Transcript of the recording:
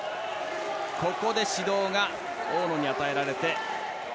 ここで指導が大野に与えられて。